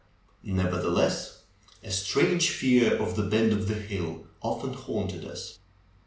Never theless, a strange fear of the bend of the hill often haunted us.